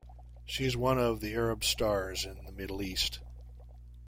She is one of the Arab Stars in the Middle East.